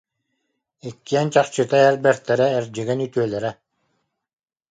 Иккиэн чахчыта эр бэртэрэ, эрдьигэн үтүөлэрэ